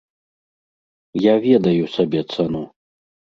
Я ведаю сабе цану.